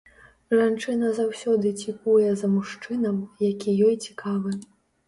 Жанчына заўжды цікуе за мужчынам, які ёй цікавы.